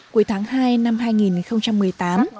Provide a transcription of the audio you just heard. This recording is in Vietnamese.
cuối tháng hai năm hai nghìn một mươi tám